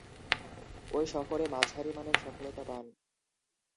ঐ সফরে মাঝারিমানের সফলতা পান।